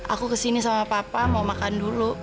aku kesini sama papa mau makan dulu